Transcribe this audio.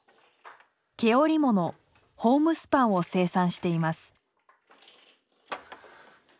毛織物ホームスパンを生産しています。